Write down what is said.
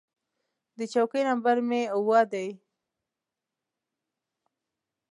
د چوکۍ نمبر مې اووه ډي و.